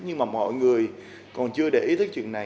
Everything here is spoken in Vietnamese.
nhưng mà mọi người còn chưa để ý tới chuyện này